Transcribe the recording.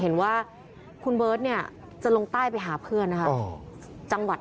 เห็นว่าคุณเบิร์ตเนี่ยจะลงใต้ไปหาเพื่อนนะคะจังหวัด